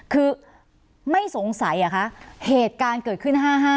คือไม่สงสัยเหรอคะเหตุการณ์เกิดขึ้น๕๕